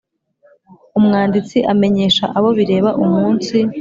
Umwanditsi amenyesha abo bireba umunsi